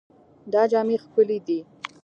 دا جامې ښکلې دي.